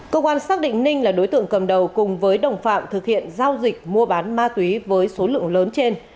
công an xác định ninh là đối tượng cầm đầu cùng với đồng phạm thực hiện giao dịch mua bán ma túy với số lượng lớn trên